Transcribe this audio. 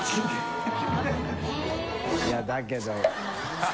いやだけど。